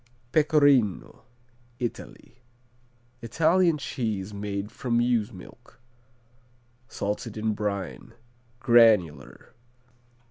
Pecorino Italy Italian cheese made from ewe's milk. Salted in brine. Granular.